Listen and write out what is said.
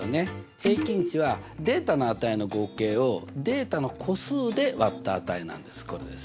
平均値はデータの値の合計をデータの個数で割った値なんです。